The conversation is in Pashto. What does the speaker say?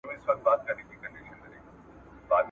ژوند لکه لمبه ده بقا نه لري ..